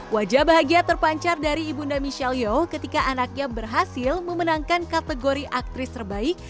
wajah bahagia terpancar dari ibunda michelyo ketika anaknya berhasil memenangkan kategori aktris terbaik